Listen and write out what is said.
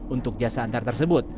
untuk jasa antar tersebut